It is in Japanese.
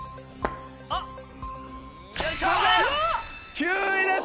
９位です！